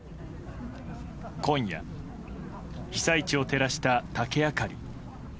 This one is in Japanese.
今夜、被災地を照らした竹あかり。